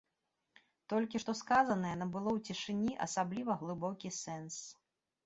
Толькі што сказанае набыло ў цішыні асабліва глыбокі сэнс.